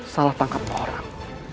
salah tangkap orang